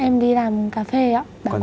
em đi làm cà phê ạ bán quần áo